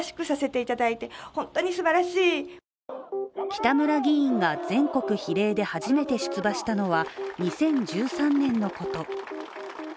北村議員が全国比例で初めて出馬したのは２０１３年のこと。